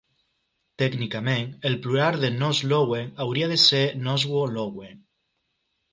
Tècnicament, el plural de "Nos Lowen" hauria de ser "Noswo Lowen".